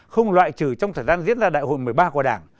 không loại trừ trong thời gian diễn ra đại hội một mươi ba của đảng